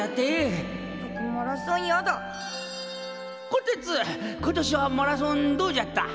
こてつ今年はマラソンどうじゃった？